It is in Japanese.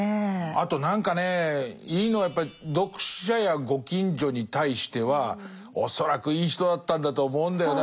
あと何かねいいのはやっぱり読者やご近所に対しては恐らくいい人だったんだと思うんだよな。